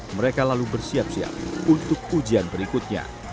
mereka lalu bersiap siap untuk ujian berikutnya